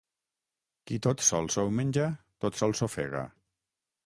Qui tot sol s'ho menja, tot sol s'ofega.